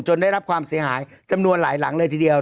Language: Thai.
ได้รับความเสียหายจำนวนหลายหลังเลยทีเดียว